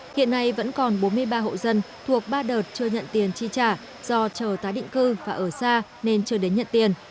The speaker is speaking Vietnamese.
hiện nay vẫn còn bốn mươi ba hộ dân thuộc ba đợt chưa nhận tiền chi trả do chờ tái định cư và ở xa nên chưa đến nhận tiền